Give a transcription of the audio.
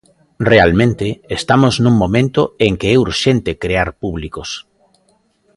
Realmente, estamos nun momento en que é urxente crear públicos.